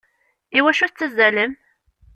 Iwacu tettazzalem?